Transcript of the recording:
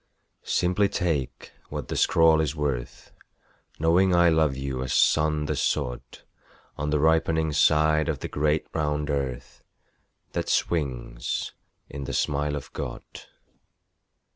Simply take what the scrawl is worth Knowing I love you as sun the sod On the ripening side of the great round earth That swings in the smile of God.